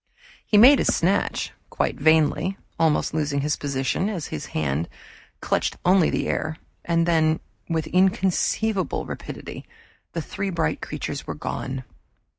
He made his snatch, quite vainly, almost losing his position as his hand clutched only air; and then, with inconceivable rapidity, the three bright creatures were gone.